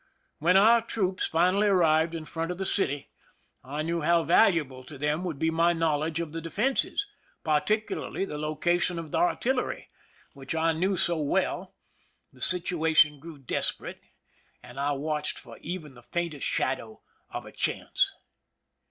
"When our troops finally arrived in front of the city, and I knew how valuable to them would be my knowledge of the defenses, particularly the location of the artillery, which I knew so well, the situation grew desperate, and I watched for even the faintest shadow of a chance.